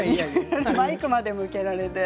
マイクまで向けられて。